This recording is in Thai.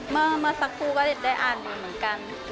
เมื่อสักครู่ก็ได้อ่านอยู่เหมือนกัน